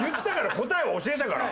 答えは教えたから。